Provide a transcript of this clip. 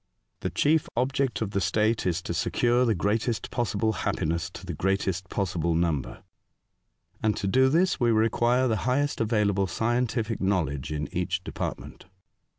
The chief object of the state is to secure the greatest possible happiness to the greatest possible number, and to do this we require the highest available scientific knowledge in each department."